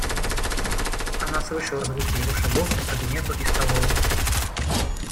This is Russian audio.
Она слышала звуки его шагов по кабинету и столовой.